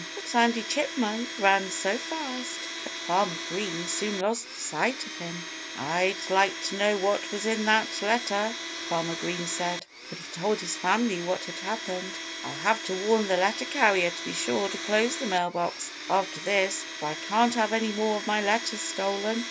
But Sandy Chipmunk ran so fast that Farmer Green soon lost sight of him. "I'd like to know what was in that letter," Farmer Green said, when he told his family what had happened. "I'll have to warn the letter carrier to be sure to close the mail box after this, for I can't have any more of my letters stolen."